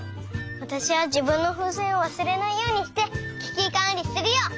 わたしはじぶんのふうせんをわすれないようにしてききかんりするよ！